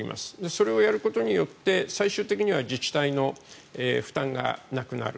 それをやることによって最終的には自治体の負担がなくなる。